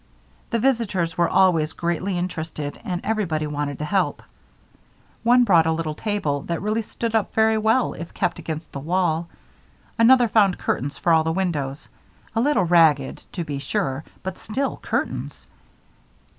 The visitors were always greatly interested and everybody wanted to help. One brought a little table that really stood up very well if kept against the wall, another found curtains for all the windows a little ragged, to be sure, but still curtains.